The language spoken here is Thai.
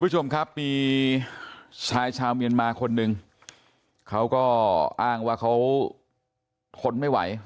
คุณผู้ชมครับมีชายชาวเมียนมาคนหนึ่งเขาก็อ้างว่าเขาทนไม่ไหว